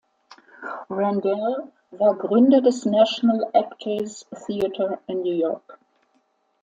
Randall war Gründer des "National Actors Theatre" in New York.